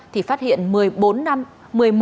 thì phát hiện một mươi một nam nữ